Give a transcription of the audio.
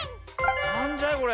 なんじゃいこれ。